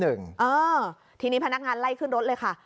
เออทีนี้พนักงานไล่ขึ้นรถเลยค่ะ